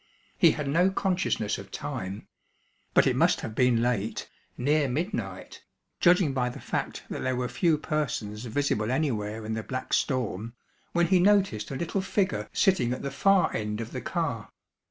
He had no consciousness of time. But it must have been late, near midnight, judging by the fact that there were few persons visible anywhere in the black storm, when he noticed a little figure sitting at the far end of the car.